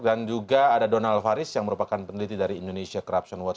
dan juga ada donald faris yang merupakan peneliti dari indonesia corruption watch